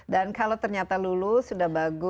dan kalau ternyata lulus sudah bagus